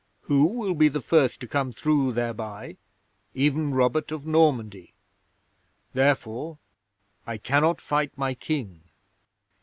Who will be the first to come through thereby? Even Robert of Normandy. Therefore I cannot fight my King."